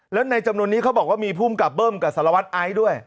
แล้วในจำนวนนี้เขาบอกว่ามีภูมิกับเบิ้มกับสารวัตรไอซ์ด้วย